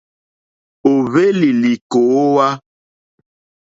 Ò hwélì lìkòówá.